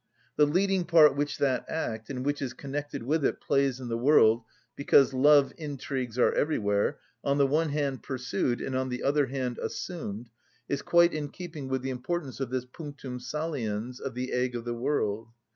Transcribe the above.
The leading part which that act, and what is connected with it, plays in the world, because love intrigues are everywhere, on the one hand, pursued, and, on the other hand, assumed, is quite in keeping with the importance of this punctum saliens of the egg of the world.